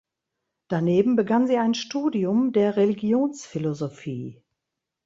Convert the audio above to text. Daneben begann sie ein Studium der Religionsphilosophie.